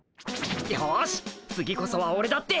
よし次こそはオレだって。